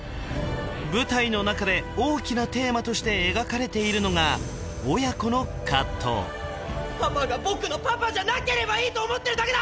舞台の中で大きなテーマとして描かれているのがパパが僕のパパじゃなければいいと思ってるだけだ！